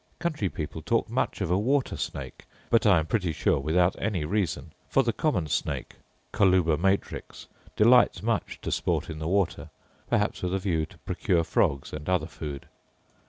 Country people talk much of a water snake, but I am pretty sure, without any reason; for the common snake (coluber natrix) delights much to sport in the water, perhaps with a view to procure frogs and other food.